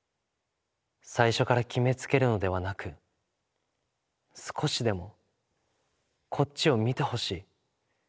最初から決めつけるのではなく少しでもこっちを見てほしい。